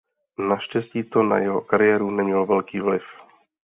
Naštěstí to na jeho kariéru nemělo velký vliv.